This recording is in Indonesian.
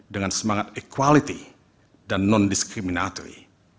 dengan semangat equality dan non diskriminatory